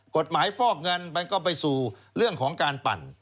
ฟอกเงินมันก็ไปสู่เรื่องของการปั่น